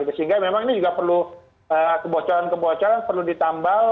sehingga memang ini juga perlu kebocoran kebocoran perlu ditambal